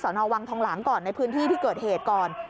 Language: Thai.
นอวังทองหลังก่อนในพื้นที่ที่เกิดเหตุก่อน